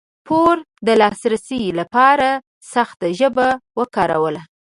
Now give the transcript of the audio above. پور د ترلاسي لپاره سخته ژبه وکاروله.